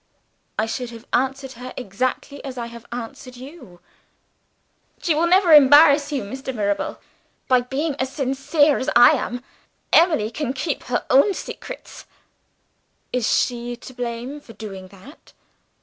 "I should have answered her exactly as I have answered you." "She will never embarrass you, Mr. Mirabel, by being as sincere as I am. Emily can keep her own secrets." "Is she to blame for doing that?"